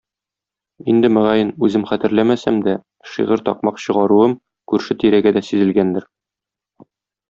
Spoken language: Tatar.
Инде, мөгаен, үзем хәтерләмәсәм дә, шигырь-такмак чыгаруым күрше-тирәгә дә сизелгәндер.